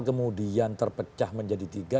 kemudian terpecah menjadi tiga